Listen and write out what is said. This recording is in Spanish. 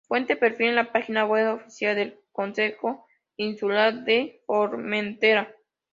Fuente:Perfil en la Página Web Oficial del Consejo Insular de Formentera